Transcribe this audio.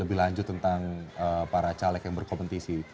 lebih lanjut tentang para caleg yang berkompetisi